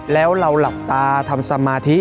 แล้วเราหลับตาทำสมาธิ